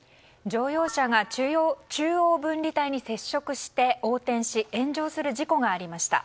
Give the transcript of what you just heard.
乗用車が中央分離帯に接触して横転し炎上する事故がありました。